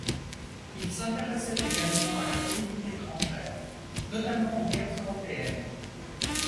Il s'intéressait également à la politique étrangère, notamment aux guerres européennes.